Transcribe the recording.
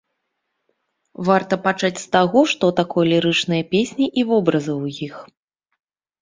Варта пачаць з таго, што такое лірычныя песні і вобразы ў іх.